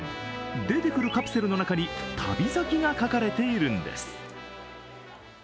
出てくるカプセルの中に旅先が書かれているんです。